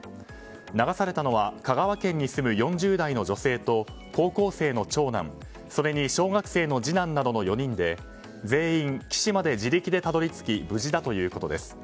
流されたのは香川県に住む４０代の女性と高校生の長男、それに小学生の次男などの４人で全員、岸まで自力でたどり着き無事だということです。